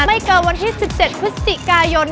ไม่เกินวันที่๑๗พฤศจิกายน